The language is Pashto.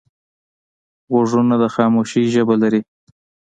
غوږونه د خاموشۍ ژبه لري